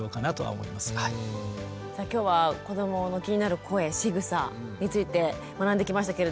さあ今日は子どもの気になる声しぐさについて学んできましたけれども。